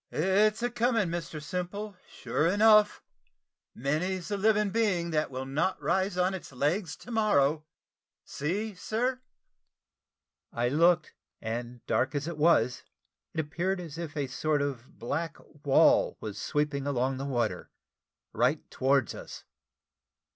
"It's a coming, Mr Simple, sure enough; many's the living being that will not rise on its legs to morrow. See, sir." I looked, and dark as it was, it appeared as if a sort of black wall was sweeping along the water right towards us.